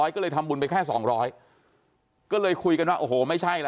ก็เลยทำบุญไปแค่สองร้อยก็เลยคุยกันว่าโอ้โหไม่ใช่ล่ะ